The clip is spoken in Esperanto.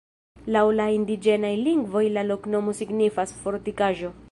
Laŭ la indiĝenaj lingvoj la loknomo signifas: fortikaĵo.